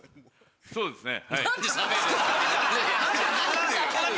そうですね。